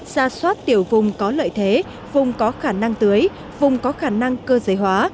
ra soát tiểu vùng có lợi thế vùng có khả năng tưới vùng có khả năng cơ giới hóa